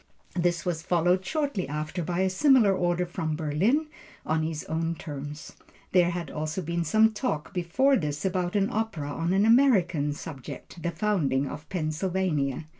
This was followed shortly after by a similar order from Berlin on his own terms. There had also been some talk before this about an opera on an American subject, the Founding of Pennsylvania.